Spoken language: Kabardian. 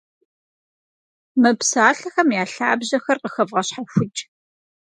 Мы псалъэхэм я лъабжьэхэр къыхэвгъэщхьэхукӏ.